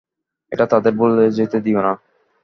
এটা তাদের ভুলে যেতে দিওনা।